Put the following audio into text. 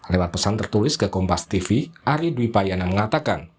lewat pesan tertulis ke kompas tv ari dwi payana mengatakan